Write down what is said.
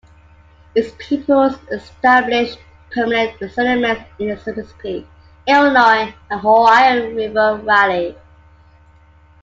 Its peoples established permanent settlements in the Mississippi, Illinois, and Ohio river valleys.